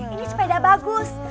ini sepeda bagus